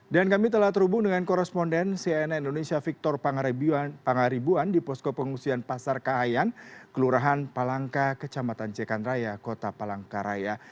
dan kami telah terhubung dengan koresponden cna indonesia victor pangaribuan di posko pengungsian pasar kahayan kelurahan palangka kecamatan jekan raya kota palangkaraya